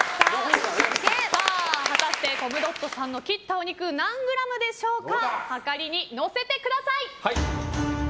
果たしてコムドットさんの切ったお肉何グラムでしょうかはかりに乗せてください。